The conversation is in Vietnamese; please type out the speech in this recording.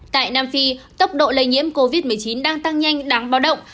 tại nam phi tốc độ lây nhiễm covid một mươi chín đang tăng nhanh đáng báo động